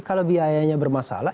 kalau biayanya bermasalah